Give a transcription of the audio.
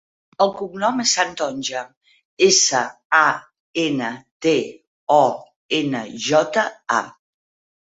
El cognom és Santonja: essa, a, ena, te, o, ena, jota, a.